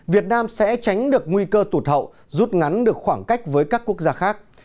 việt nam sẽ tránh được nguy cơ tụt hậu rút ngắn được khoảng cách với các quốc gia khác